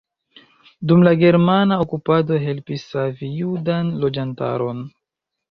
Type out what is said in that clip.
Dum la germana okupado helpis savi judan loĝantaron.